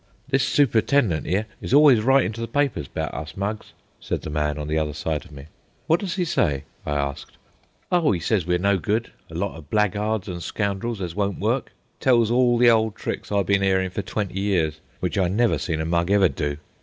"This super'tendent 'ere is always writin' to the papers 'bout us mugs," said the man on the other side of me. "What does he say?" I asked. "Oh, 'e sez we're no good, a lot o' blackguards an' scoundrels as won't work. Tells all the ole tricks I've bin 'earin' for twenty years an' w'ich I never seen a mug ever do.